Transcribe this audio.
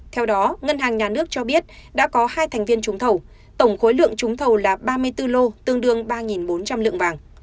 theo đó ngân hàng nhà nước cho biết đã có hai thành viên trúng thầu tổng khối lượng trúng thầu là ba mươi bốn lô tương đương ba bốn trăm linh lượng vàng